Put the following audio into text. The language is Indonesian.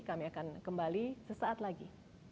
kami akan kembali sesaat lagi